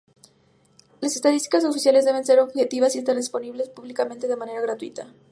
Las estadísticas oficiales deben ser objetivas y estar disponibles públicamente de manera gratuita.